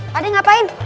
pak dia ngapain